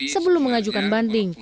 sebelum mengajukan banding